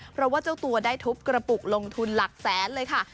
เพราะว่าเจ้าตัวได้ทุบกระปุกลงทุนหลักแสนเลยค่ะ